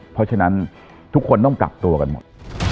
เพราะฉะนั้นทุกคนต้องกลับตัวกันหมด